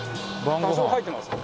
多少入ってますよ。